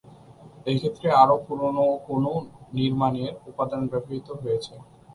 এক্ষেত্রেও আরও পুরনো কোনও নির্মাণের উপাদান ব্যবহৃত হয়েছে।